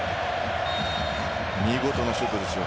見事なシュートですよ。